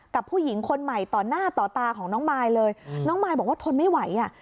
กับผู้หญิงคนใหม่ต่อหน้าต่อตาของน้องมายเลยน้องมายบอกว่าทนไม่ไหวอ่ะ